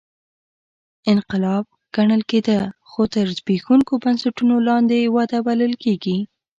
انقلاب ګڼل کېده خو تر زبېښونکو بنسټونو لاندې وده بلل کېږي